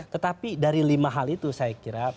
tetapi dari lima hal itu saya kira